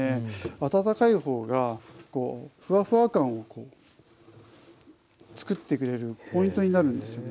温かいほうがフワフワ感を作ってくれるポイントになるんですよね。